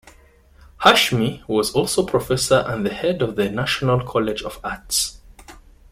Hashmi was also professor and the head of the National College of Arts.